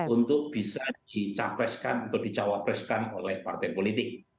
untuk bisa dicapreskan atau dicawapreskan oleh partai politik